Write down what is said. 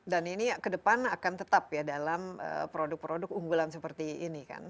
dan ini ke depan akan tetap ya dalam produk produk unggulan seperti ini kan